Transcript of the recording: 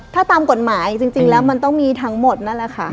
ถ้าตามกฎหมายจริงแล้วมันต้องมีทั้งหมดนั่นแหละค่ะ